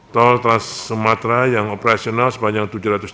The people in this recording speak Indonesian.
tol trans sumatera yang operasional sebanyak tujuh ratus tiga puluh